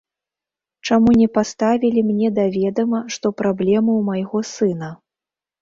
Чаму не паставілі мне да ведама, што праблемы ў майго сына?